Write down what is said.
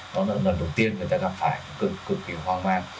đó là lần đầu tiên người ta gặp phải cực kỳ hoang mang